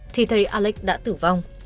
thì thấy alex đã tử vong